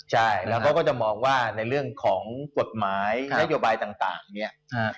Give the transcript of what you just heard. ใช่แล้วเขาก็จะมองว่าในเรื่องของกฎหมายนโยบายต่างเนี่ย